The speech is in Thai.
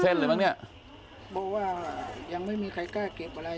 เป็นอะไรบ้างเนี้ยบอกว่ายังไม่มีใครกล้าเก็บอะไร